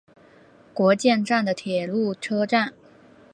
国见站的铁路车站。